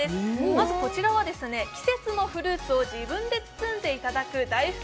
まずこちらは、季節のフルーツを自分で包んでいただく大福。